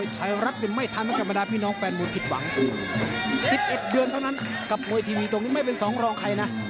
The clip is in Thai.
ใครก็กล่าวถึงนะพี่ป๊า